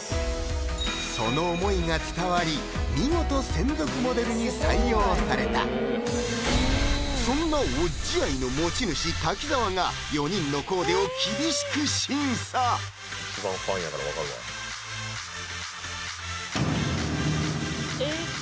その思いが伝わり見事専属モデルに採用されたそんな「Ｏｇｇｉ」愛の持ち主・滝沢が４人のコーデを厳しく審査一番ファンやから分かるわえっ怖！